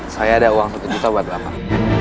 saya ada uang satu juta buat delapan